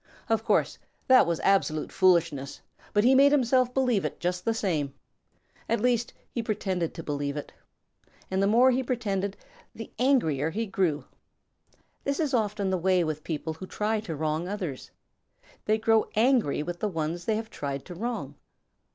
Of course, that was absolute foolishness, but he made himself believe it just the same. At least, he pretended to believe it. And the more he pretended, the angrier he grew. This is often the way with people who try to wrong others. They grow angry with the ones they have tried to wrong.